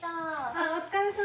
あっお疲れさま！